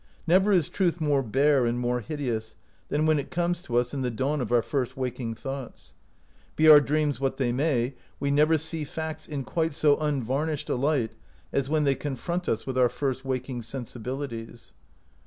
Never is truth more bare and more hideous than when it comes to us in the dawn of our first waking thoughts. Be our dreams what they may, we never see facts 169 OUT OF BOHEMIA in quite so unvarnished a light as when they confront us with our first waking sensibilities.